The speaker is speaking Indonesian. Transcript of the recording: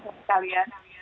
pak jokowi sekalian